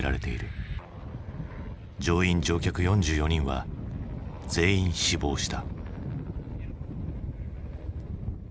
乗員・乗客４４人は全員死亡した。